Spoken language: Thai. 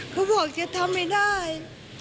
เขาบอกจะทำไม่ได้